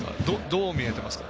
どう見えていますか？